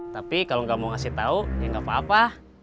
tapi kalau gak mau kasih tau ya gak apa apa